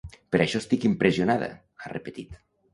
Per això estic impressionada!, ha repetit.